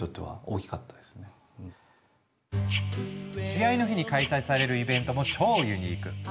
試合の日に開催されるイベントも超ユニーク。